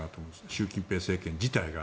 習近平政権自体が。